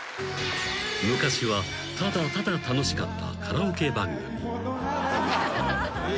［昔はただただ楽しかったカラオケ番組］